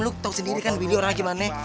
lo tau sendiri kan video orang gimana